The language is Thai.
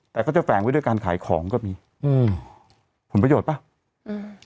แต่เขาจะแฝงไว้ด้วยการขายของก็มีอืมผลประโยชน์ป่ะอืม